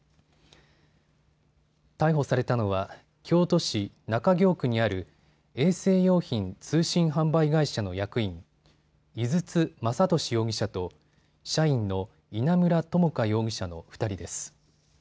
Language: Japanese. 逮捕されたのは京都市中京区にある衛生用品通信販売会社の役員、井筒雅俊容疑者と社員の稲村知香容疑者の２人です。